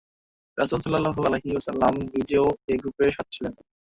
রাসূল সাল্লাল্লাহু আলাইহি ওয়াসাল্লাম নিজেও এ গ্রুপের সাথে ছিলেন।